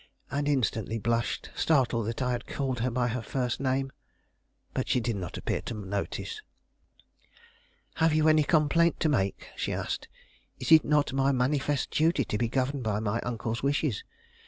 and instantly blushed, startled that I had called her by her first name. But she did not appear to notice. "Have you any complaint to make?" she asked. "Is it not my manifest duty to be governed by my uncle's wishes?